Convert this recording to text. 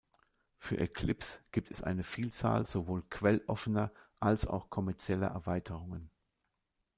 Für Eclipse gibt es eine Vielzahl sowohl quelloffener als auch kommerzieller Erweiterungen.